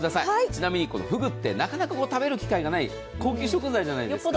ちなみにこのふぐはなかなか食べる機会がない高級食材じゃないですか。